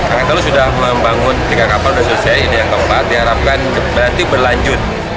angkatan laut sudah membangun tiga kapal sudah selesai ini yang keempat diharapkan berarti berlanjut